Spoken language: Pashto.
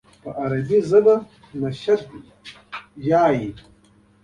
په عربي ژبه نشید ووایي.